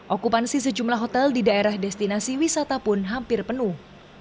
okupansi sejumlah hotel di daerah destinasi wisata pun hampir penuh